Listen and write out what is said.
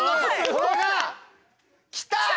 それがきた！